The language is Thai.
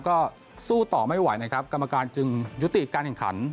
ก็สู้ต่อไม่ไหวนะครับกรรมการจึงยุติการแข่งขัน